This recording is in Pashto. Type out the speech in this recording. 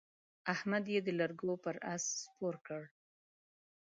احمد يې د لرګو پر اس سپور کړ.